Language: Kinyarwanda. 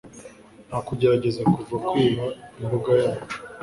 nta kugerageza kuva kwiba imbuga yacu